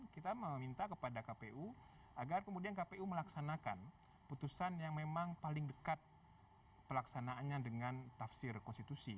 kita meminta kepada kpu agar kemudian kpu melaksanakan putusan yang memang paling dekat pelaksanaannya dengan tafsir konstitusi